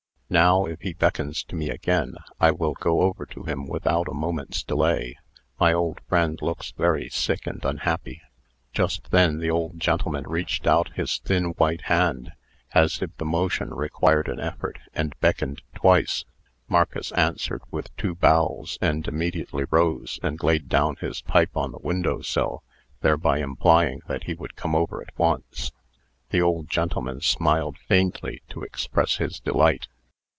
Now, if he beckons to me again, I will go over to him without a moment's delay. My old friend looks very sick and unhappy." Just then the old gentleman reached out his thin white hand, as if the motion required an effort, and beckoned twice. Marcus answered with two bows, and immediately rose, and laid down his pipe on the window sill, thereby implying that he would come over at once. The old gentleman smiled faintly, to express his delight.